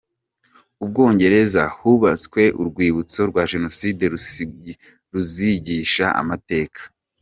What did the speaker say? U Bwongereza: Hubatswe urwibutso rwa Jenoside ruzigisha amateka.